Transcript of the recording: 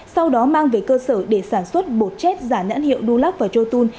sau đó mang về cơ sở để sản xuất bột chét giả nhãn hiệu dulac và chotun